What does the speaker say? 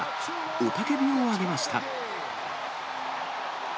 雄たけびを上げました。